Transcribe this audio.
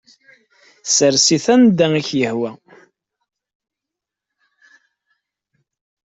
Sers-it anda i k-yehwa.